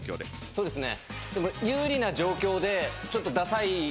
そうですね。